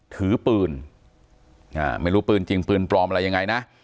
ถือปืนไม่รู้ปืนจริงปืนปลอมอะไรยังไงนะ